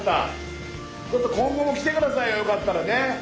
ちょっと今後も来て下さいよよかったらね。